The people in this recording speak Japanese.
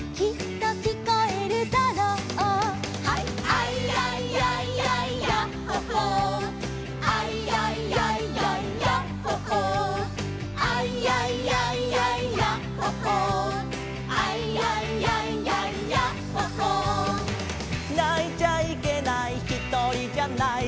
「アイヤイヤイヤイヤッホ・ホー」「アイヤイヤイヤイヤッホ・ホー」「アイヤイヤイヤイヤッホ・ホー」「アイヤイヤイヤイヤッホ・ホー」「泣いちゃいけないひとりじゃない」